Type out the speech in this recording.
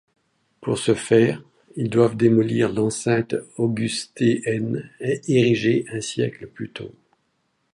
Pour ce faire, ils doivent démolir l’enceinte augustéenne érigée un siècle plus tôt.